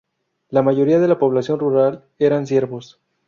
La mayoría de la población rural eran siervos.